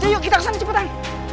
ayo yuk kita kesana cepetan